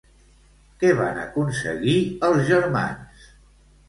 Què van aconseguir els germans?